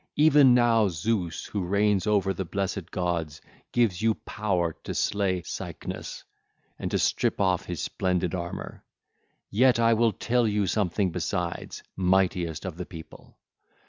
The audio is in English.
Even now Zeus who reigns over the blessed gods gives you power to slay Cycnus and to strip off his splendid armour. Yet I will tell you something besides, mightiest of the people.